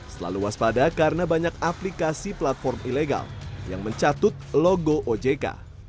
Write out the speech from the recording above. selalu waspada karena banyak aplikasi platform ilegal yang mencatut logo ojk